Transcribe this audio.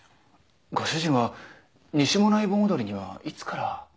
ご主人は西馬音内盆踊りにはいつから？